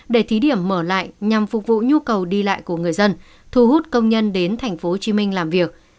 để thí điểm mở lại nhằm phục vụ nhu cầu đi lại của người dân thu hút công nhân đến tp hcm làm việc